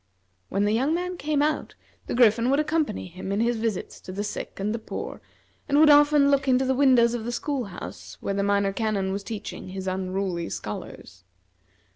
When the young man came out, the Griffin would accompany him in his visits to the sick and the poor, and would often look into the windows of the school house where the Minor Canon was teaching his unruly scholars.